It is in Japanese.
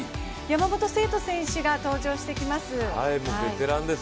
山本聖途選手が登場してきます。